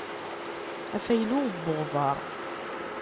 Afaylu n weɣbaṛ.